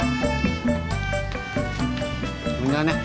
tunggu di sana